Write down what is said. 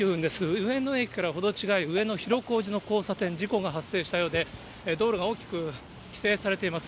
上野駅から程近い上野広小路交差点、事故が発生したようで道路が大きく規制されています。